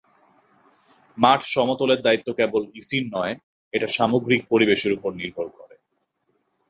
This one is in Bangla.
মাঠ সমতলের দায়িত্ব কেবল ইসির নয়, এটা সামগ্রিক পরিবেশের ওপর নির্ভর করে।